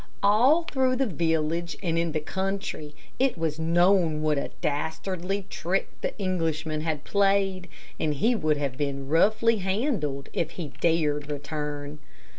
All through the village, and in the country it was known what a dastardly trick the Englishman had played, and he would have been roughly handled if he had dared return.